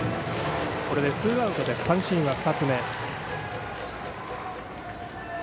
これでツーアウトで三振は２つ目。